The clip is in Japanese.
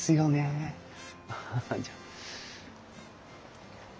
ハハじゃあ。